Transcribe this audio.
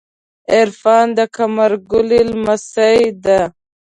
عرفان د قمر ګلی لمسۍ ده.